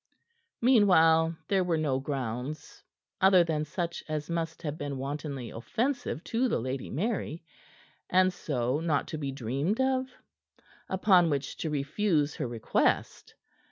Meanwhile there were no grounds other than such as must have been wantonly offensive to the Lady Mary, and so not to be dreamed of upon which to refuse her request.